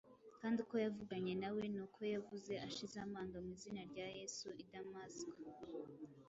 kandi uko yavuganye na we, n’uko yavuze ashize amanga mu izina rya Yesu i Damasiko.”